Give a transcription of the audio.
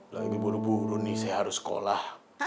lagi buru buru nih saya harus sekolah